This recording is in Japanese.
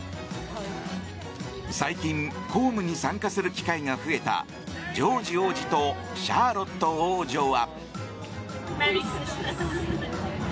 最近公務に参加する機会が増えたジョージ王子とシャーロット王女は。